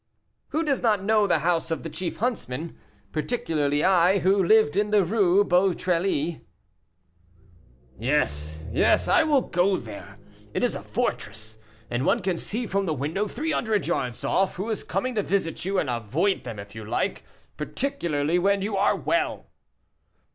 "Who does not know the houses of the chief huntsman? particularly I, who lived in the Rue Beautrellis." "Yes, yes, I will go there. It is a fortress, and one can see from the window, three hundred yards off, who is coming to visit you, and avoid them if you like, particularly when you are well!"